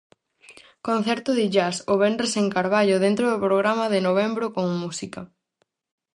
Concerto de jazz o venres en Carballo dentro do programa de novembro con música.